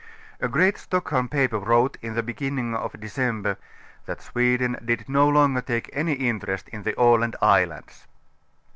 A great Stockholm paper wrote in the beginning of December .,that Sweden did no longer take any interest in the Aland islands".